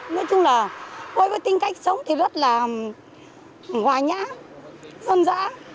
nói chung là đối với tính cách sống thì rất là hoài nhã dân dã